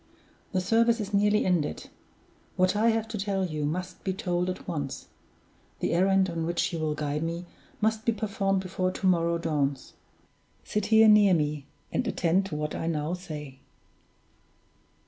"The service is nearly ended. What I have to tell you must be told at once; the errand on which you will guide me must be performed before to morrow dawns. Sit here near me, and attend to what I now say!"